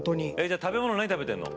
じゃあ食べ物何食べてんの？